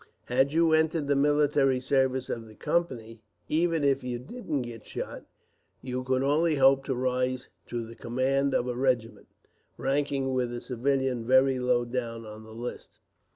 "Had you entered the military service of the Company, even if you didn't get shot, you could only hope to rise to the command of a regiment, ranking with a civilian very low down on the list.